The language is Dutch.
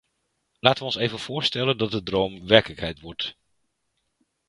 Laten we ons even voorstellen dat de droom werkelijkheid wordt.